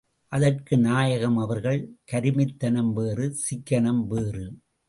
அதற்கு நாயகம் அவர்கள், கருமித் தனம் வேறு சிக்கனம் வேறு.